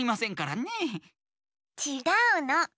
ちがうの。